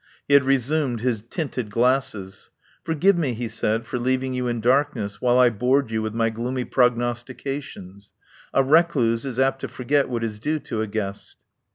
He had resumed his tinted glasses. "Forgive me," he said, "for leaving you in darkness while I bored you with my gloomy prognostications. A recluse is apt to forget what is due to a guest."